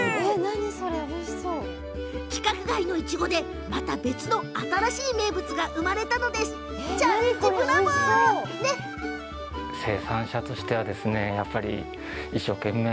規格外のいちごでまた別の新しい名物が生まれちゃったというわけなんです。